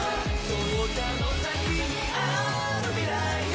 「淘汰の先にある未来へ」